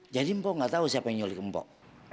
jadi mpok gak tau siapa yang nyolik mpok